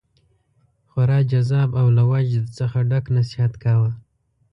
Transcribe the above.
خورا جذاب او له وجد څخه ډک نصیحت کاوه.